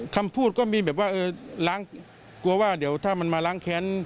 คำพูดก็มีแบบว่าเออล้างกลัวว่าเดี๋ยวถ้ามันมาล้างแค้น